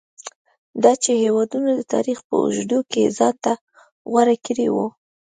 دا چې هېوادونو د تاریخ په اوږدو کې ځان ته غوره کړي وو.